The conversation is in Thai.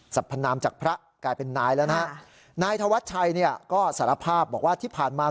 พนามจากพระกลายเป็นนายแล้วนะฮะนายธวัชชัยเนี่ยก็สารภาพบอกว่าที่ผ่านมา